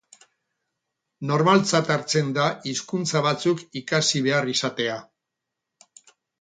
Normaltzat hartzen da hizkuntza batzuk ikasi behar izatea.